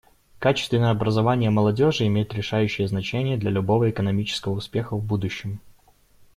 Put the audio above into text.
Качественное образование молодежи имеет решающее значение для любого экономического успеха в будущем.